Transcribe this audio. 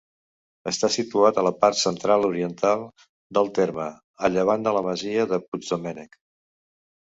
Està situat a la part central-oriental del terme, a llevant de la masia de Puigdomènec.